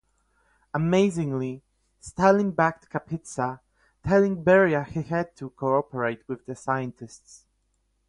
Amazingly, Stalin backed Kapitsa, telling Beria he had to cooperate with the scientists.